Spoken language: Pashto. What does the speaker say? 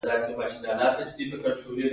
بیا نو مه وایئ چې پانګوال بد دي